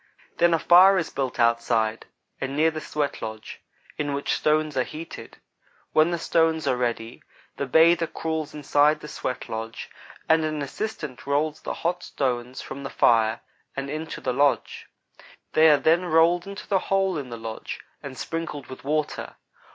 Then a fire is built outside and near the sweatlodge in which stones are heated. When the stones are ready, the bather crawls inside the sweat lodge, and an assistant rolls the hot stones from the fire, and into the lodge. They are then rolled into the hole in the lodge and sprinkled with water.